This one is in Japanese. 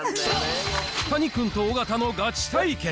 谷君と尾形のガチ対決。